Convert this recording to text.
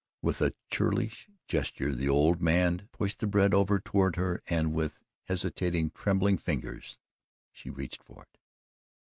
With a churlish gesture the old man pushed the bread over toward her and with hesitating, trembling fingers she reached for it.